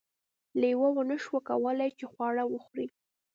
لیوه ونشوای کولی چې خواړه وخوري.